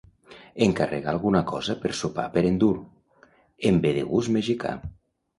Encarregar alguna cosa per sopar per endur; em ve de gust mexicà.